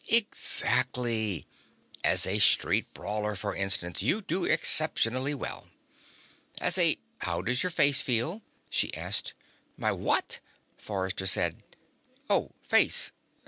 "Exactly. As a street brawler, for instance, you do exceptionally well." "As a " "How does your face feel?" she asked. "My what?" Forrester said. "Oh. Face.